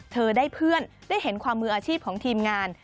เธอได้เพื่อนได้เห็นความมืออาชีพของทีมงาน